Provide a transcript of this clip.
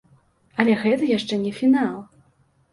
Але гэта яшчэ не фінал!